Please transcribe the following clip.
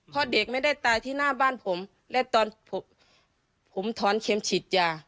เพราะเด็กไม่ได้ตายที่หน้าบ้านผมและตอนผมถอนเข็มฉีดยา